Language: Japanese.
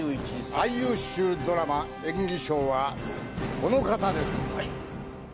最優秀ドラマ演技賞はこの方です